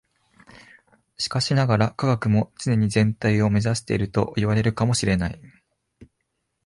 しかしながら、科学も常に全体を目指しているといわれるかも知れない。